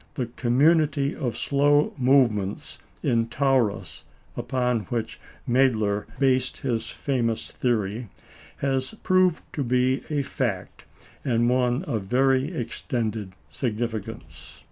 The community of slow movement in Taurus, upon which Mädler based his famous theory, has proved to be a fact, and one of very extended significance.